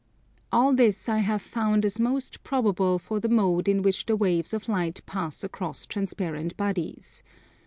All this I have found as most probable for the mode in which the waves of light pass across transparent bodies.